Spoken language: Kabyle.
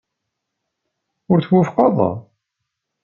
Ur twufqeḍ?